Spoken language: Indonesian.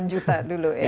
delapan juta dulu ya